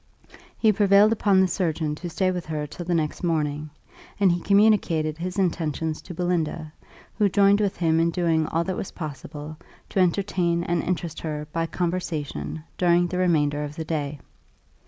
He prevailed upon the surgeon to stay with her till the next morning; and he communicated his intentions to Belinda, who joined with him in doing all that was possible to entertain and interest her by conversation during the remainder of the day.